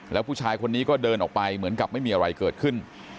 แล้วผู้ชายคนนี้ก็เดินออกไปเหมือนกับไม่มีอะไรเกิดขึ้น